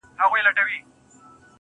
د ميني داغ ونه رسېدی.